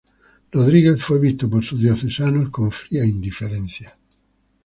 Rodríguez fue visto por sus diocesanos con fría indiferencia.